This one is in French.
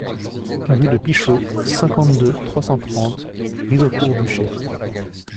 Rue de Pichot, cinquante-deux, trois cent trente Rizaucourt-Buchey